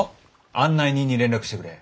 案内人に連絡してくれ。